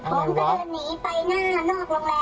ผมก็เดินหนีไปหน้านอกโรงแรม